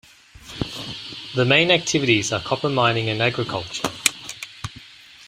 The main activities are copper mining and agriculture.